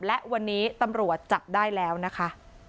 และวันนี้ตำรวจจับได้แล้วนะคะ